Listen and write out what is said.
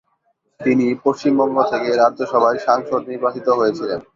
তিনি পশ্চিমবঙ্গ থেকে রাজ্যসভায় সাংসদ নির্বাচিত হয়েছিলেন।